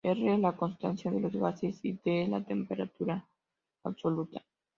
R es la constante de los gases y T es la temperatura absoluta.